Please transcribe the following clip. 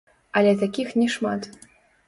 Але такіх не шмат.